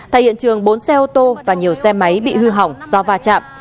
tại hiện trường bốn xe ô tô và nhiều xe máy bị hư hỏng do va chạm